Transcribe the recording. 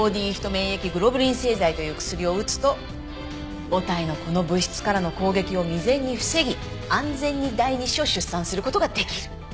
免疫グロブリン製剤という薬を打つと母体のこの物質からの攻撃を未然に防ぎ安全に第二子を出産する事ができる。